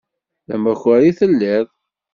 D amakar i telliḍ.